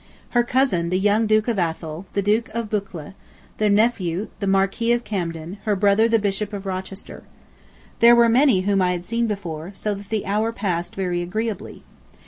Her cousin, the young Duke of Athol; the Duke of Buccleuch; her nephew the Marquis of Camden; her brother the Bishop of Rochester. There were many whom I had seen before, so that the hour passed very agreeably.